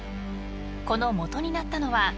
［この基になったのは］